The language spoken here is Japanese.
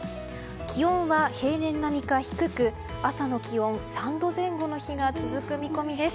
気温は平年並みか低く朝の気温は３度前後の日が続く見込みです。